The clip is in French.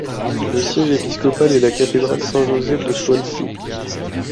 Le siège épiscopal est la Cathédrale Saint-Joseph de Swansea.